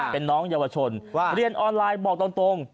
เป็นน้องเยาวชนเรียนออนไลน์บอกตรง